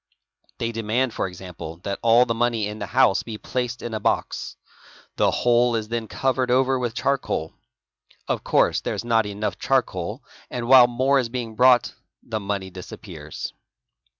They demand for example that all the money in the house be placed in a box. The whole is then covered over with charcoal. Of course there is not enough charcoal and while more is being brought the money disappears.